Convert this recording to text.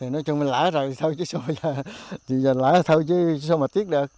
nói chung là lãi rồi thôi chứ sao mà tiếc được